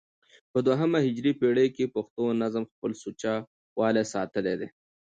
په دوهمه هجري پېړۍ کښي پښتو نظم خپل سوچه والى ساتلى دئ.